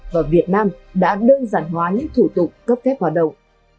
và việt nam đã đơn giản hóa những thủ tục cấp phép hoạt động